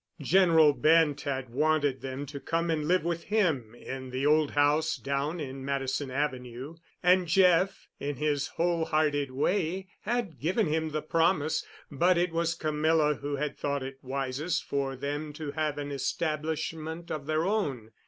General Bent had wanted them to come and live with him in the old house down in Madison Avenue, and Jeff, in his whole hearted way, had given him the promise, but it was Camilla who had thought it wisest for them to have an establishment of their own.